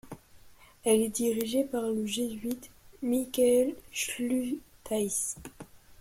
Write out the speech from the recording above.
Elle est dirigée par le jésuite Michael Schultheis.